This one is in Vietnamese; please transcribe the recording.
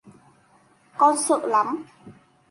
Con sợ lắm